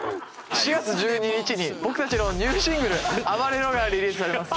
４月１２日に僕たちのニューシングル『ＡＢＡＲＥＲＯ』がリリースされます。